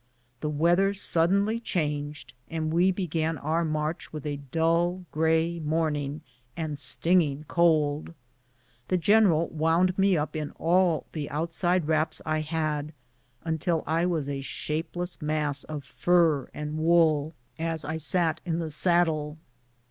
The weather suddenly changed, and we began our march with a dull, gray morning and stinging cold. The gen eral wound me up in all the outside wraps I had until I was a shapeless mass of fur and wool as I sat in the saddle.